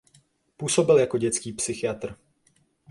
Působil jako dětský psychiatr.